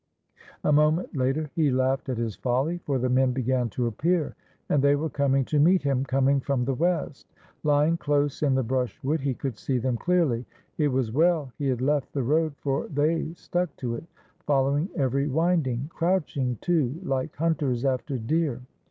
A moment later he laughed at his folly. For the men began to appear, and they were coming to meet him, coming from the west. Lying close in the brush wood, he could see them clearly. It was well he had left the road, for they stuck to it, following every winding, — crouching, too, like hunters after deer.